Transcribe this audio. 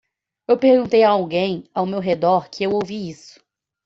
Eu perguntei a alguém ao meu redor que eu ouvi isso.